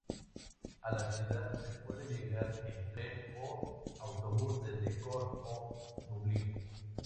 A la ciudad se puede llegar en tren o autobús desde Cork o Dublín.